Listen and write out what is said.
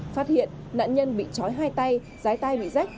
phát hiện nạn nhân bị trói hai tay giái tay bị rách